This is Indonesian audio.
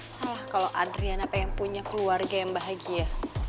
salah kalau adriana pengen punya keluarga yang bahagia